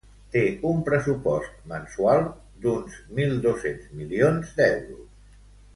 Té un pressupost mensual d'uns mil dos-cents milions d'euros.